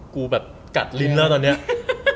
กูแบบกัดลิ้นแล้วตอนนี้